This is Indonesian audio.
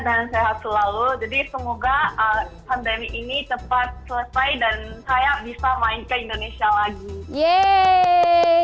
jadi semoga pandemi ini cepat selesai dan saya bisa ke indonesia lagi